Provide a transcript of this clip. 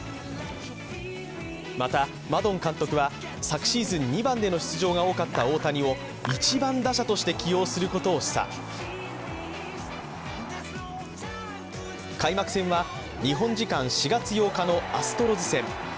またマドン監督は、昨シーズン２番での出場が多かった大谷を１番打者として起用することを示唆開幕戦は日本時間４月８日のアストロズ戦。